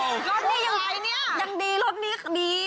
รถนี้ยังดีรถนี้ดี